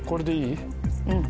うん。